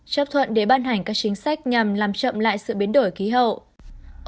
chấp thuận để ban hành các chính sách nhằm làm chậm lại sự biến đổi khí hậu